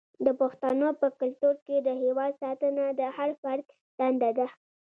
د پښتنو په کلتور کې د هیواد ساتنه د هر فرد دنده ده.